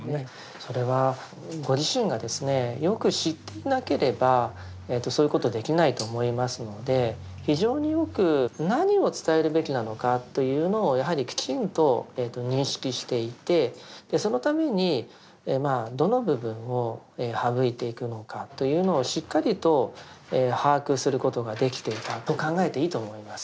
それはご自身がよく知っていなければそういうことできないと思いますので非常によく何を伝えるべきなのかというのをやはりきちんと認識していてそのためにまあどの部分を省いていくのかというのをしっかりと把握することができていたと考えていいと思います。